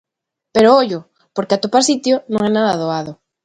Pero ollo, porque atopar sitio non é nada doado.